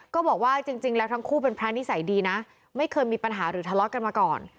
ก็บอกว่าจริงแล้วทั้งคู่เป็นพระนิสัยดีนะไม่เคยมีปัญหาหรือทะเลาะกันมาก่อน